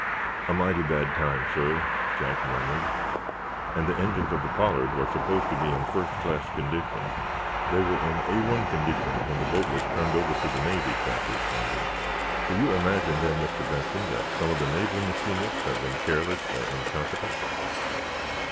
"A mighty bad time, sir," Jack murmured. "And the engines of the 'Pollard' were supposed to be in first class condition." "They were in A 1 condition, when the boat was turned over to the Navy," Jack responded. "Do you imagine, then, Mr. Benson, that some of the naval machinists have been careless or incompetent?"